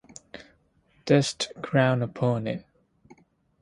Dust ground upon it.